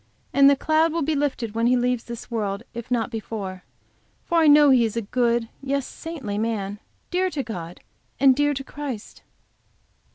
And the cloud will be lifted when he leaves this world, if not before. For I know he is a good, yes, a saintly man, dear to and dear to Christ.